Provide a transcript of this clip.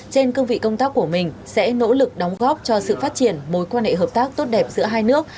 trên cương vị công tác của mình sẽ nỗ lực đóng góp cho sự phát triển mối quan hệ hợp tác tốt đẹp giữa hai nước